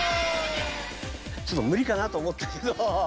ちょっとムリかなと思ったけど。